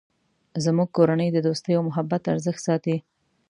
زموږ کورنۍ د دوستۍ او محبت ارزښت ساتی